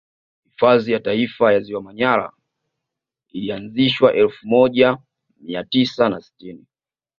Hifadhi ya Taifa ya ziwa Manyara ilianzishwa elfu moja mia tisa na sitini